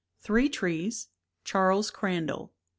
Three Trees, Charles Crandall.